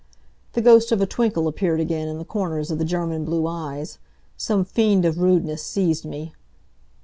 The ghost of a twinkle appeared again in the corners of the German blue eyes. Some fiend of rudeness seized me.